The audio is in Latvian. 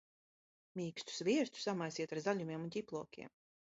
Mīkstu sviestu samaisiet ar zaļumiem un ķiplokiem.